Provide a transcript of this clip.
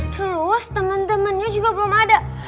terus temen temennya juga belum ada